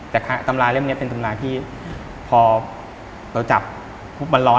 แต่ตำราเล่มนี้เป็นตำราที่พอเราจับปุ๊บมันร้อน